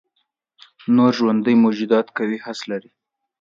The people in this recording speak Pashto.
نور ژوندي موجودات قوي حس لري.